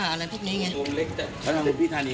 อ๋อนี่เป็นปลานี่เราใช้แบบแกงปลาอะไรอย่างเงี้ย